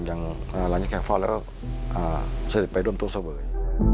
ทั้งบมีแขกเฝ้าอย่างก็แล้วสุริปศัตริย์เป็นเลย